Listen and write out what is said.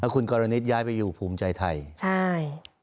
แล้วคุณกำหนิตย้ายไปอยู่ภูมิใจไทยใช่